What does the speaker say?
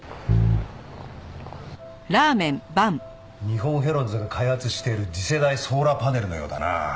日本ヘロンズが開発している次世代ソーラーパネルのようだな。